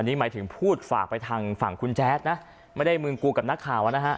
นี่หมายถึงพูดฝากไปทางฝั่งคุณแจ๊ดนะไม่ได้มึงกูกับนักข่าวนะฮะ